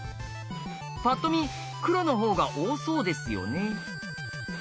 パッと見黒のほうが多そうですよね。